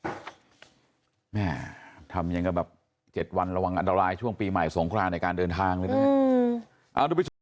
อื้อหือทำอย่างเงี้ยแบบ๗วันระวังอันดรายช่วงปีใหม่สงคราในการเดินทางเลยนะ